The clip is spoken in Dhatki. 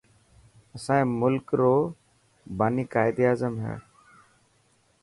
اسائي ملڪ روٻاني قائد اعظم هي.